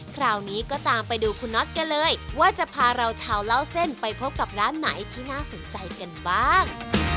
คราวนี้ก็ตามไปดูคุณน็อตกันเลยว่าจะพาเราชาวเล่าเส้นไปพบกับร้านไหนที่น่าสนใจกันบ้าง